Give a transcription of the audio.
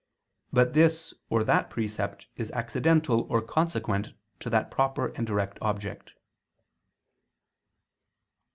But this or that precept is accidental or consequent to that proper and direct object.